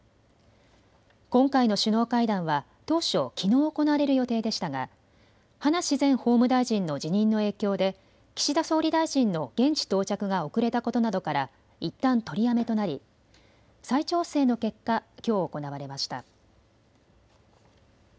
今回の首脳会談は当初、きのう行われる予定でしたが葉梨前法務大臣の辞任の影響で岸田総理大臣の現地到着が遅れたことなどからいったん取りやめとなり再調整の結果、きょう行われました。